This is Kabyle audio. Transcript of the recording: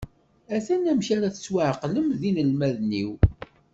Atan amek ara tettwaεeqlem d inelmaden-iw.